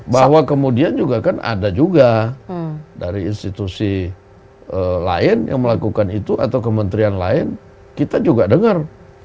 bahwa kemudian juga kan ada juga dari institusi lain yang melakukan itu atau kementerian lain kita juga dengar